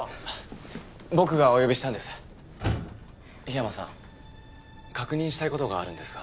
桧山さん確認したいことがあるんですが。